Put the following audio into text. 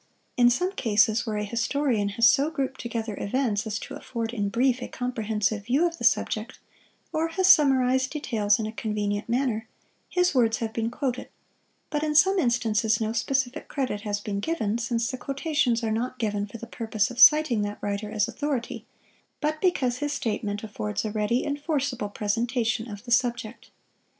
In some cases where a historian has so grouped together events as to afford, in brief, a comprehensive view of the subject, or has summarized details in a convenient manner, his words have been quoted; but in some instances no specific credit has been given, since the quotations are not given for the purpose of citing that writer as authority, but because his statement affords a ready and forcible presentation of the subject.